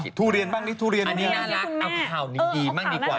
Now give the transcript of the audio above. ทุเรียนบ้างนี่ทุเรียนอันนี้น่ารักเอาข่าวดีบ้างดีกว่า